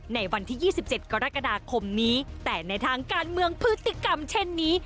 ในวันที่๒๗กรกฎาคมนี้แต่ในทางการเมืองพฤติกรรมเช่นนี้